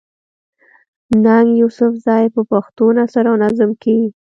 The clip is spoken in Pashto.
ننګ يوسفزۍ په پښتو نثر او نظم کښې